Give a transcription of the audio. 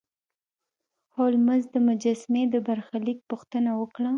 هولمز د مجسمې د برخلیک پوښتنه وکړه.